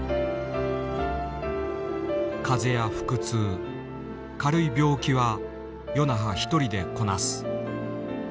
風邪や腹痛軽い病気は与那覇一人でこなす。